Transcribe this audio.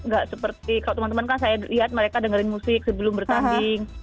gak seperti kalau teman teman kan saya lihat mereka dengerin musik sebelum bertanding